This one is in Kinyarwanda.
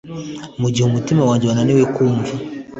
mugihe umutima wanjye wananiwe kumva.